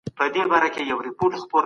مټر، لوبیا او دال.